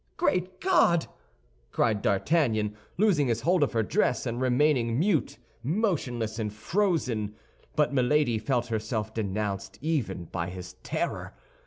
"Great God!" cried D'Artagnan, loosing his hold of her dress, and remaining mute, motionless, and frozen. But Milady felt herself denounced even by his terror.